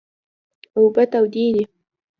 اوبه تودې دي